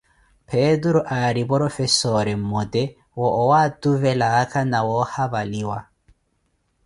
Peturu Hari porofessoreh mmote wa owatuvela aakha na wa ohaphaliwa